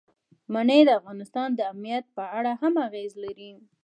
منی د افغانستان د امنیت په اړه هم اغېز لري.